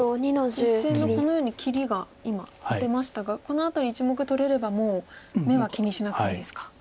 実戦のこのように切りが今打てましたがこの辺り１目取れればもう眼は気にしなくていいですか。